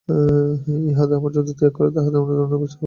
ইহাতে আমাকে যদি ত্যাগ করেন তাহাতে আপনাদের অন্যায় বিচার হইবে না।